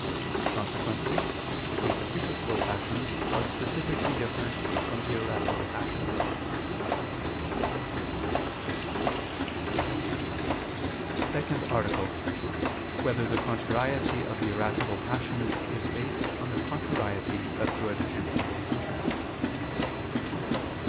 Consequently the concupiscible passions are specifically different from the irascible passions. ________________________ SECOND ARTICLE [I II, Q. 23, Art. 2] Whether the Contrariety of the Irascible Passions Is Based on the Contrariety of Good and Evil?